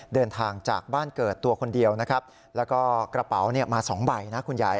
เดินทางจากบ้านเกิดตัวคนเดียวนะครับแล้วก็กระเป๋าเนี่ยมาสองใบนะคุณยาย